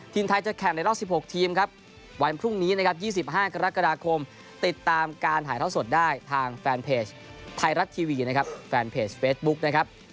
ทีมไทยจะแข่งในรอบ๑๖ทีมครับวันพรุ่งนี้นะครับ๒๕กรกฎาคมติดตามการถ่ายเท่าสดได้ทางแฟนเพจไทยรัฐทีวีนะครับแฟนเพจเฟสบุ๊คนะครับ